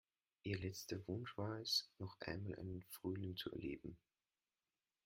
Ihr letzter Wunsch war es, noch einmal einen Frühling zu erleben.